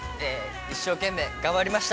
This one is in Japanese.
一生懸命頑張りました。